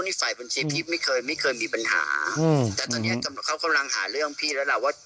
ในฝ่ายบัญชีพพี่ไม่เคยมีปัญหาแต่ตอนนี้เขากำลังหาเรื่องพี่แล้วล่ะว่า